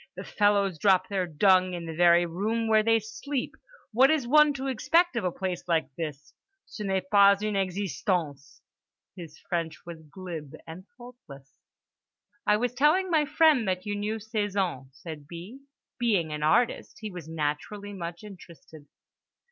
The fellows drop their dung in the very room where they sleep. What is one to expect of a place like this? Ce n'est pas une existence"—his French was glib and faultless. "I was telling my friend that you knew Cézanne," said B. "Being an artist he was naturally much interested."